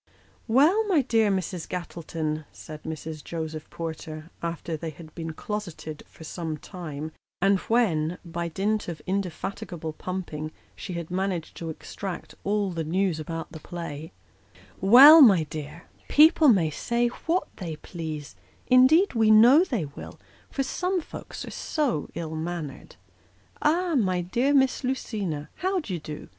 "Well, my dear Mrs. Gattleton," said Mrs. Joseph Porter, after they had been closeted for some time, and when, by dint of indefatigable pumping, she had managed to extract all the news about the play, " well, my dear, people may say what they please ; indeed we know they will, for some folks are so ill natured. Ah, my dear Miss Lucina, how d'ye do